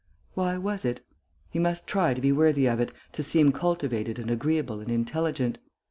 Why was it? He must try to be worthy of it, to seem cultivated and agreeable and intelligent.